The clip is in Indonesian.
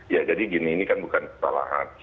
ya jadi gini ini kan bukan salah hati